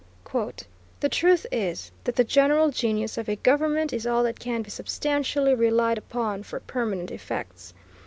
"The truth is, that the general genius of a Government is all that can be substantially relied upon for permanent effects.